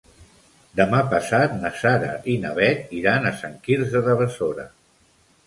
Demà passat na Sara i na Bet iran a Sant Quirze de Besora.